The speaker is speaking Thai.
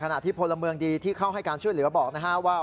ที่พลเมืองดีที่เข้าให้การช่วยเหลือบอกนะฮะว่า